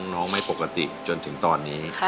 น้องไม่ปกติจนถึงตอนนี้